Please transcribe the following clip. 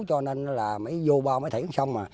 cho nên là mới vô bao mới thể xong